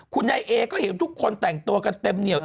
คุณนายเอก็เห็นทุกคนแต่งตัวกันเต็มเหนียว